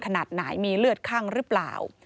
ขนาดไหนมีเลือดคั่งหรือเปล่า